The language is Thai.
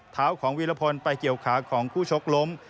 เท้าของวีรพลไปเกี่ยวขาของคู่ชกล้ม